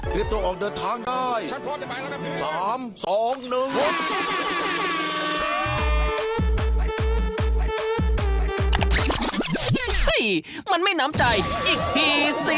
เฮ้ยมันไม่น้ำใจอีกทีสิ